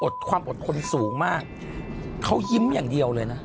ความอดทนสูงมากเขายิ้มอย่างเดียวเลยนะ